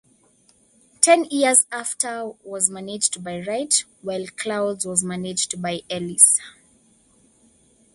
Ten Years After was managed by Wright, while Clouds was managed by Ellis.